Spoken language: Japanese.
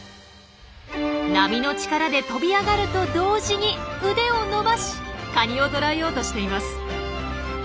波の力で跳び上がると同時に腕を伸ばしカニを捕らえようとしています。